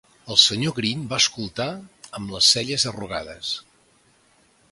El senyor Green va escoltar amb les celles arrugades.